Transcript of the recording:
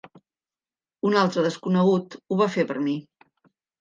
Un altre desconegut ho va fer per mi.